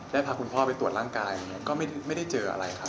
พาคุณพ่อไปตรวจร่างกายก็ไม่ได้เจออะไรครับ